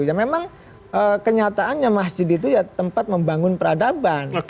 ya memang kenyataannya masjid itu ya tempat membangun peradaban